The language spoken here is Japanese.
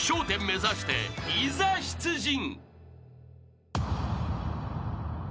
１０目指していざ出陣］